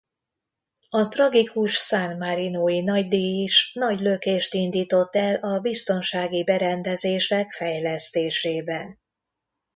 A tragikus San Marinó-i nagydíj is nagy lökést indított el a biztonsági berendezések fejlesztésében.